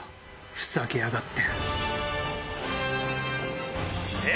ふざけやがって！